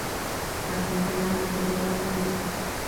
Argentina mantuvo el arco invicto.